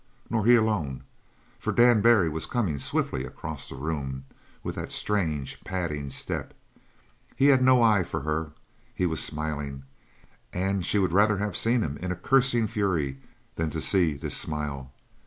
Nor he alone, for Dan Barry was coming swiftly across the room with that strange, padding step. He had no eye for her. He was smiling, and she had rather have seen him in a cursing fury than to see this smile.